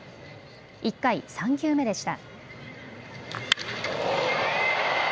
１回、３球目でした。